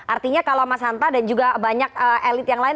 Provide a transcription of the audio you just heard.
artinya kalau mas hanta dan juga banyak elit yang lain